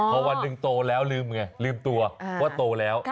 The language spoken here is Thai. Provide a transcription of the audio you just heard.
พอวันหนึ่งโตแล้วลืมไงลืมตัวว่าโตแล้ว